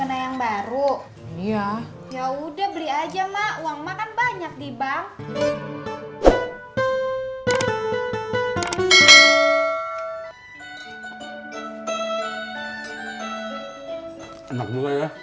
enak juga ya